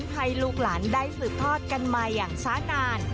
ให้ลูกหลานได้สืบทอดกันมาอย่างช้านาน